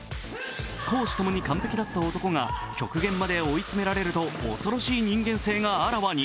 公私ともに完璧だった男が極限まで追い詰められると恐ろしい人間性があらわに。